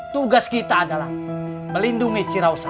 tugas kita adalah melindungi ciraus satu